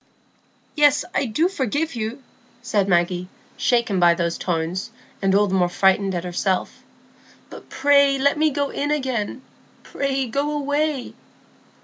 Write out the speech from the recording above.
"Yes, I do forgive you," said Maggie, shaken by those tones, and all the more frightened at herself. "But pray let me go in again. Pray go away."